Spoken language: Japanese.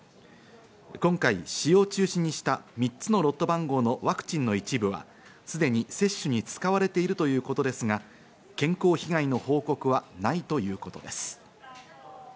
今回、使用中止にした３つのロット番号のワクチンの一部は、すでに接種に使われているということですが、健康被害の報告はないということです。